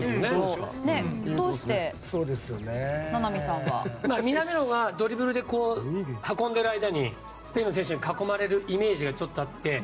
どうして名波さんは？南野がドリブルで運んでいる間にスペインの選手に囲まれるイメージがちょっとあって。